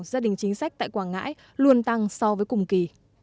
gia đình chính sách tại quảng ngãi luôn tăng so với cùng kỳ